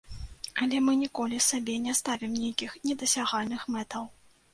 Але мы ніколі сабе не ставім нейкіх недасягальных мэтаў.